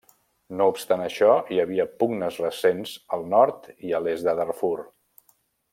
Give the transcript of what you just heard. No obstant això, hi havia pugnes recents al nord i l'est de Darfur.